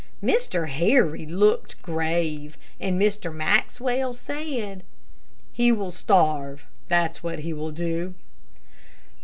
Mr. Harry looked grave, and Mr. Maxwell said, "He will starve, that's what he will do."